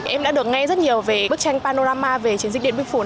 em đã được nghe rất nhiều về bức tranh panorama về chiến dịch điện biên phủ